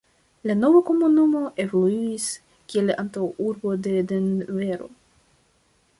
La nova komunumo evoluis kiel antaŭurbo de Denvero.